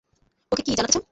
ওকে, কী জানতে চাও?